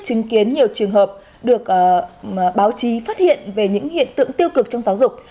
chứng kiến nhiều trường hợp được báo chí phát hiện về những hiện tượng tiêu cực trong giáo dục